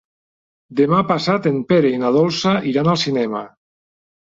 Demà passat en Pere i na Dolça iran al cinema.